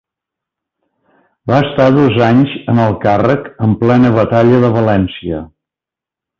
Va estar dos anys en el càrrec, en plena batalla de València.